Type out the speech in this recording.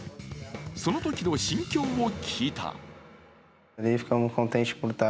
そのときの心境を聞いた。